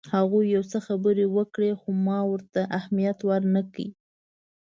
هغوی یو څه خبرې وکړې خو ما ورته اهمیت ورنه کړ.